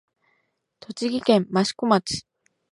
栃木県益子町